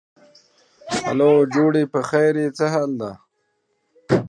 The interiors of most black box theatres are painted black.